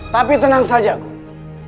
tapi tenang saja guru